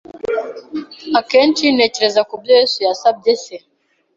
Akenshi ntekereza ku byo Yesu yasabye Se